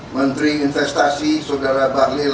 menteri investasi saudara bahlil laha dahlia